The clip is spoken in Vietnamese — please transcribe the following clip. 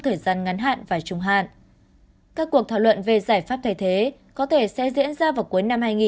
thời gian ngắn hạn và trung hạn các cuộc thảo luận về giải pháp thay thế có thể sẽ diễn ra vào cuối